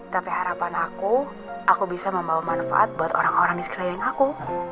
tapi harapan aku aku bisa membawa manfaat buat orang orang di sekeliling aku